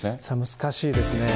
難しいですね。